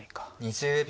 ２０秒。